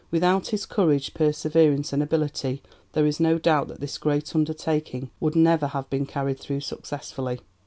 Without his courage, perseverance, and ability there is no doubt that this great undertaking would never have been carried through successfully.